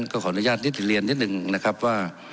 ก็ขออนุญาตนิดเรียนนิดนึงนะครับว่า